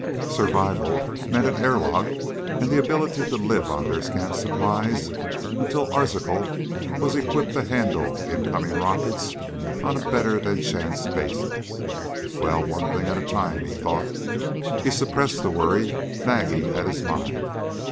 Survival meant an airlock and the ability to live on their scant supplies until Arzachel was equipped to handle incoming rockets on a better than chance basis. Well, one thing at a time, he thought. He suppressed the worry nagging at his mind.